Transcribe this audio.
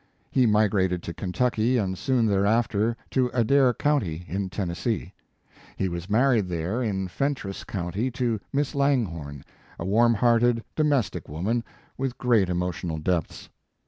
He migrated to Kentucky and soon thereafter to Adair county, in Ten nessee. He was married there in Fen tress county to Miss Langhorne, a warm hearted, domestic woman, with great emotional depths.